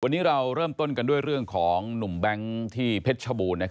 วันนี้เราเริ่มต้นกันด้วยเรื่องของหนุ่มแบงค์ที่เพชรชบูรณ์